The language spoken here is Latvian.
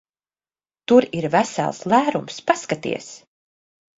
Tur ir vesels lērums. Paskaties!